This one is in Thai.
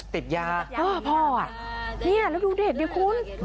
ติดยาเออพ่ออ่ะนี่แล้วดูเด็กดิคุณ